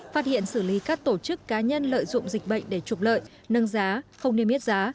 phát hiện xử lý các tổ chức cá nhân lợi dụng dịch bệnh để trục lợi nâng giá không niêm yết giá